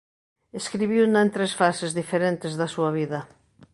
Escribiuna en tres fases diferentes da súa vida.